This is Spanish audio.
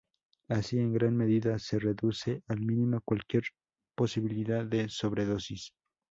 Así, en gran medida, se reduce al mínimo cualquier posibilidad de sobredosis.